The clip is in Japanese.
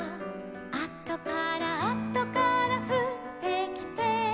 「あとからあとからふってきて」